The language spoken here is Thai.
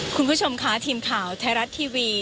คุณผู้ชมค่ะทีมข่าวไทยรัฐทีวี